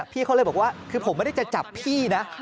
พี่เขาเลยบอกว่าคือผมไม่ได้จะจับพี่นะ